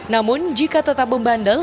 namun jika tetap membandel